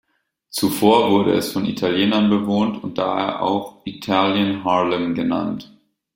Zuvor wurde es von Italienern bewohnt und daher auch Italian Harlem genannt.